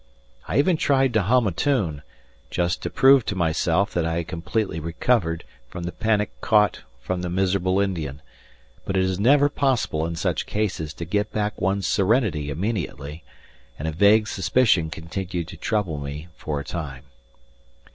I even tried to hum a tune, just to prove to myself that I had completely recovered from the panic caught from the miserable Indian; but it is never possible in such cases to get back one's serenity immediately, and a vague suspicion continued to trouble me for a time.